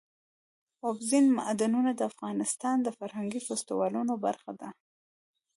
اوبزین معدنونه د افغانستان د فرهنګي فستیوالونو برخه ده.